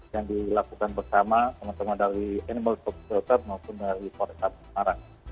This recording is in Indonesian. yang dilakukan bersama teman teman dari animal shop shelter maupun dari forest hub semarang